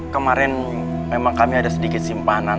kemarin memang kami ada sedikit simpanan